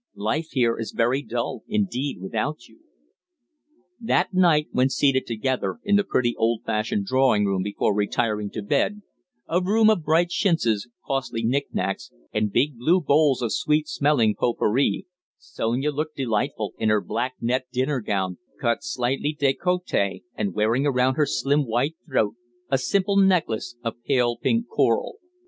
Life here is very dull indeed without you." That night, when seated together in the pretty old fashioned drawing room before retiring to bed a room of bright chintzes, costly knick knacks, and big blue bowls of sweet smelling pot pourri Sonia looked delightful in her black net dinner gown, cut slightly décolleté, and wearing around her slim white throat a simple necklace of pale pink coral.